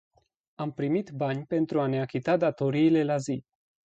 Am primit bani pentru a ne achita datoriile la zi.